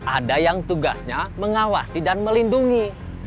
ada yang tugasnya mengawasi dan melindungi